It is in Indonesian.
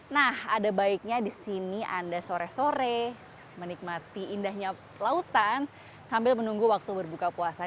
nah ada baiknya di sini anda sore sore menikmati indahnya lautan sambil menunggu waktu berbuka puasa